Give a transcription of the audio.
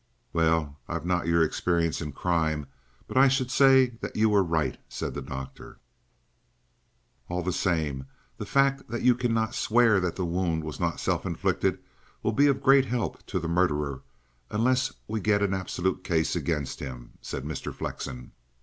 "Well, I've not your experience in crime, but I should say that you were right," said the doctor. "All the same, the fact that you cannot swear that the wound was not self inflicted will be of great help to the murderer, unless we get an absolute case against him," said Mr. Flexen.